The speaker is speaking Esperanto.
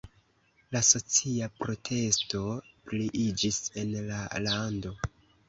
La socia protesto pliiĝis en la lando.